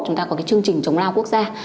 chúng ta có cái chương trình chống lao quốc gia